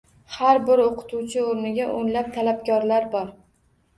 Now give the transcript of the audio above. Har bir oʻqituvchi oʻrniga oʻnlab talabgorlar bor